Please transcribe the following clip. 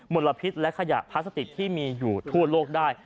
ลพิษและขยะพลาสติกที่มีอยู่ทั่วโลกได้